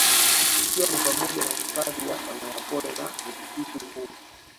Ikiwa ni pamoja na hifadhi ya wanyamapori na misitu huu